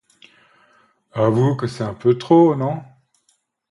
Avoue que ça pue trop, non ?